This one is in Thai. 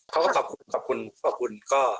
เขาก็ขอบคุณขอบคุณก็